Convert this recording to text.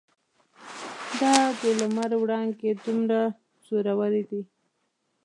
دا د لمر وړانګې دومره زورورې دي.